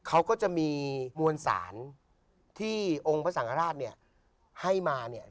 เขาก็จะมีมวลศาลที่องค์พระสังฆราชให้มา